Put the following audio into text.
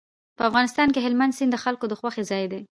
په افغانستان کې هلمند سیند د خلکو د خوښې ځای دی.